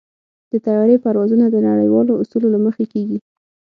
د طیارې پروازونه د نړیوالو اصولو له مخې کېږي.